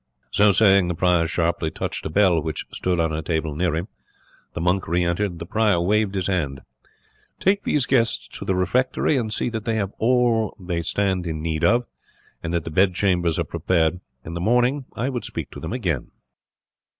So saying, the prior sharply touched a bell which stood on a table near him. The monk re entered. The prior waved his hand: "Take these guests to the refectory and see that they have all they stand in need of, and that the bed chambers are prepared. In the morning I would speak to them again."